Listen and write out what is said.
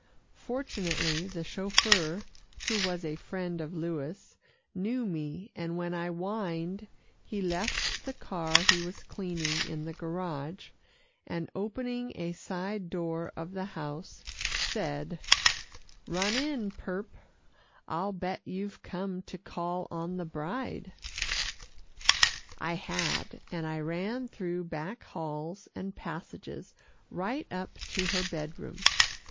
Fortunately the chauffeur, who was a friend of Louis, knew me, and when I whined, he left the car he was cleaning in the garage, and opening a side door of the house, said, "Run in, purp I'll bet you've come to call on the bride." I had, and I ran through back halls and passages right up to her bed room.